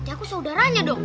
aku saudaranya dong